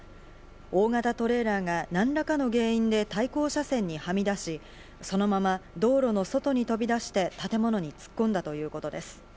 大型トレーラーが何らかの原因で対向車線にはみ出し、そのまま道路の外に飛び出して建物に突っ込んだということです。